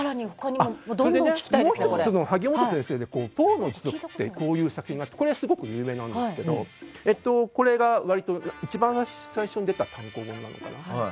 もう１つ、萩尾先生で「ポーの一族」っていう作品がありましてすごく有名な作品なんですけどこれが割と一番最初に出た単行本なのかな。